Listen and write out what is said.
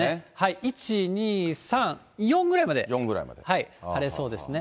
１、２、３、４ぐらいまで晴れそうですね。